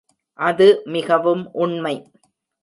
அது மிகவும் உண்மை.